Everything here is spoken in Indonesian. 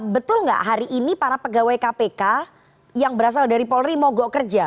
betul nggak hari ini para pegawai kpk yang berasal dari polri mogok kerja